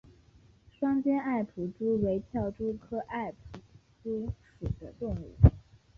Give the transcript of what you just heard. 双尖艾普蛛为跳蛛科艾普蛛属的动物。